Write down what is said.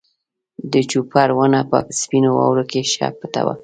د جوپر ونه په سپینو واورو کې ښه پټه وه.